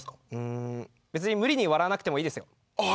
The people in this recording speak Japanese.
ん別に無理に笑わなくてもいいですよ。ああ全然。